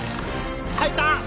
入った！